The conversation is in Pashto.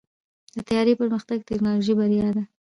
د طیارې پرمختګ د ټیکنالوژۍ بریا ده.